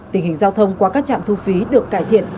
tình hình giao thông qua các trạm thu phí được cải thiện